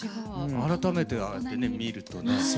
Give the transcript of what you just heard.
改めてねああやってね見るとね。